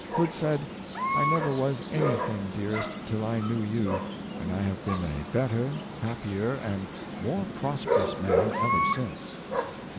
Hood said: " I never was any thing, dearest, till I knew you; and I have been a better, happier, and more prosperous man ever since.